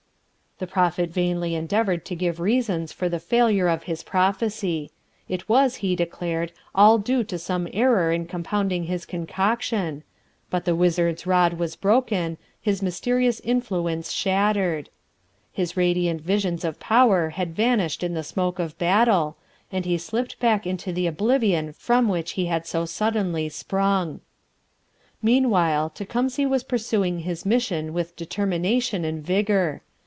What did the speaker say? The Prophet vainly endeavoured to give reasons for the failure of his prophecy; it was, he declared, all due to some error in compounding his concoction; but the wizard's rod was broken, his mysterious influence shattered. His radiant visions of power had vanished in the smoke of battle, and he slipped back into the oblivion from which he had so suddenly sprung. Meanwhile Tecumseh was pursuing his mission with determination and vigour.